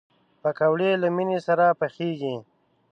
پکورې له مینې سره پخېږي